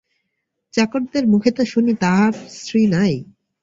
চাকরদের মুখে তো শুনি, তাঁহার স্ত্রী নাই।